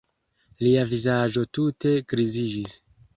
Lia vizaĝo tute griziĝis.